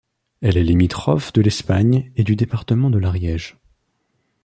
Elle est limitrophe de l'Espagne et du département de l'Ariège.